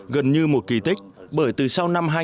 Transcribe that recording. gần như một kỳ tích bởi từ sau năm hai nghìn một mươi bốn đến nay